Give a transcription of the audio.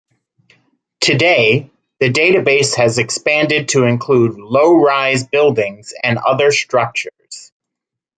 Today, the database has expanded to include low-rise buildings and other structures.